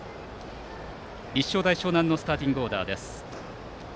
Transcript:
立正大淞南のスターティングオーダーです。